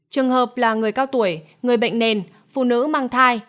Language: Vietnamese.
trường hợp là người cao tuổi người bệnh nền phụ nữ mang thai